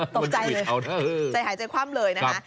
ตกใจเลยใจหายใจคว่ำเลยนะคะ